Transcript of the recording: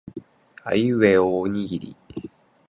あいうえおおにぎり